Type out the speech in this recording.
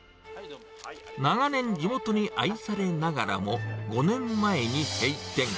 長年、地元に愛されながらも、５年前に閉店。